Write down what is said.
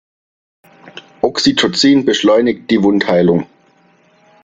Oxytocin beschleunigt die Wundheilung.